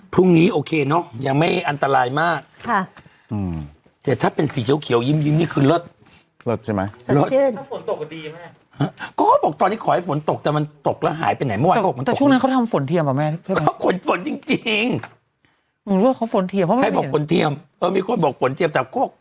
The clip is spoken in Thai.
พรุ่งนี้โอเคเนอะยังไม่อันตรายมากครับแต่ถ้าเป็นสีเขียวยืมนี่คือเลิศ